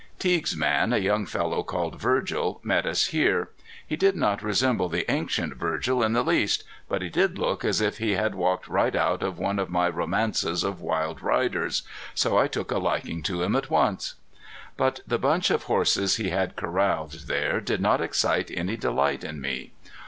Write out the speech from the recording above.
Teague's man, a young fellow called Virgil, met us here. He did not resemble the ancient Virgil in the least, but he did look as if he had walked right out of one of my romances of wild riders. So I took a liking to him at once. But the bunch of horses he had corralled there did not excite any delight in me.